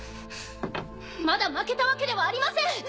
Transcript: まだ負けたわけではありません！